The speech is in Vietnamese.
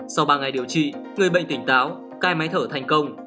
sau ba ngày điều trị người bệnh tỉnh táo cai máy thở thành công